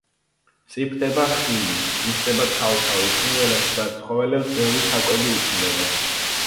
მწიფდება ხილი, ივსება თავთავი, ფრინველებს და ცხოველებს ბევრი საკვები უჩნდებათ.